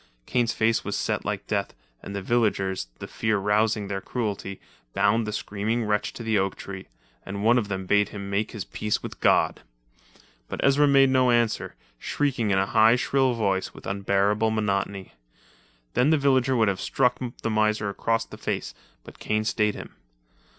Kane's face was set like death, and the villagers, the fear rousing their cruelty, bound the screeching wretch to the oak tree, and one of them bade him make his peace with God. But Ezra made no answer, shrieking in a high shrill voice with unbearable monotony. Then the villager would have struck the miser across across the face, but Kane stayed him.